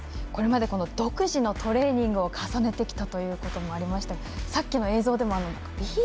これまで独自のトレーニングを重ねてきたというのもありましたがさっきの映像でも。